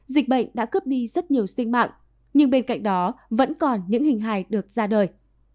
dịch bệnh đã cướp đi rất nhiều sinh mạng nhưng bên cạnh đó vẫn còn những hình hài được ra đời